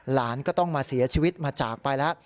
หลานก็ต้องมาเสียชีวิตมาจากไปแล้ว